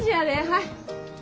はい。